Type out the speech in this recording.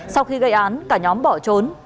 sau khi gây án cả nhóm bỏ trốn